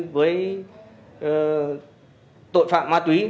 với tội phạm ma túy